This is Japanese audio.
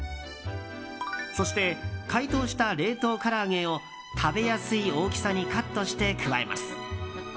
そして、解凍した冷凍から揚げを食べやすい大きさにカットして加えます。